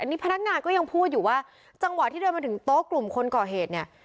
นี่พนักงานก็ยังพูดอยู่ว่าจังหวะที่เดินมาถึงโต๊ะกลุ่มคนก่อเหตุเนี่ย